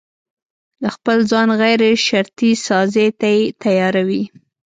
د خپل ځان غيرشرطي سازي ته يې تياروي.